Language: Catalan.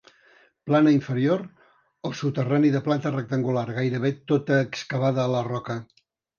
Plana inferior o soterrani de planta rectangular, gairebé tota excavada a la roca.